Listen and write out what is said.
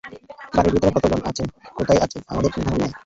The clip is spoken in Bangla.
বাড়ির ভিতরে কতজন আছে, কোথায় আছে, আমাদের কোন ধারণা নাই।